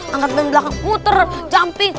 angkat ben belakang muter jumping